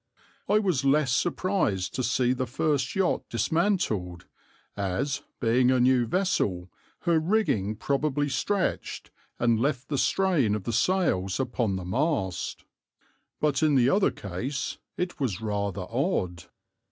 I was less surprised to see the first yacht dismantled, as, being a new vessel, her rigging probably stretched, and left the strain of the sails upon the mast, but in the other case it was rather odd.